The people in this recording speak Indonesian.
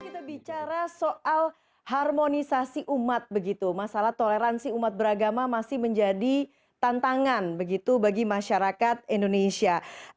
kita bicara soal harmonisasi umat begitu masalah toleransi umat beragama masih menjadi tantangan begitu bagi masyarakat indonesia